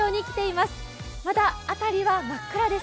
まだあたりは真っ暗です。